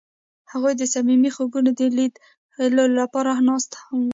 هغوی د صمیمي خوبونو د لیدلو لپاره ناست هم وو.